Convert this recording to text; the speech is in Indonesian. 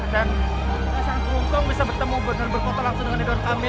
dan sangat berhukum bisa bertemu benar benar berpokok langsung dengan nidor kamil